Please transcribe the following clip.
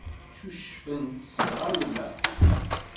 Ccucfent s tɣawla.